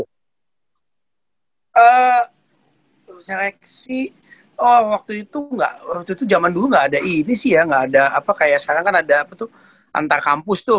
eee seleksi waktu itu gak waktu itu jaman dulu gak ada ini sih ya gak ada apa kayak sekarang kan ada apa tuh antarkampus tuh